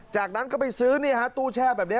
จากนั้นก็ไปซื้อตู้แช่แบบนี้